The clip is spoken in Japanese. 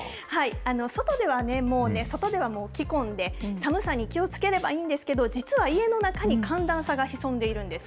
外ではもうね、外ではもう着込んで、寒さに気をつければいいんですけど、実は家の中に寒暖差が潜んでいるんです。